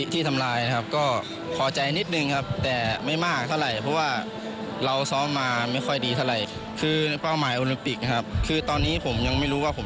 ไปต่อกันที่สนุคเกอร์ครับ